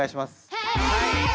はい！